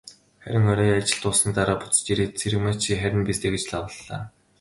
Харин орой ажил дууссаны дараа буцаж ирээд, "Цэрэгмаа чи харина биз дээ" гэж лавлалаа.